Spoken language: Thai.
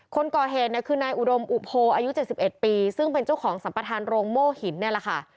คนก่อเหตุเนี่ยคือนายอุดมอุโพอายุ๗๑ปีซึ่งเป็นเจ้าของสัมประธานโรงโม่หินเนี่ยแหละค่ะ